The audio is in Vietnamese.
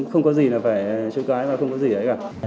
không có gì là phải chơi cái mà không có gì đấy cả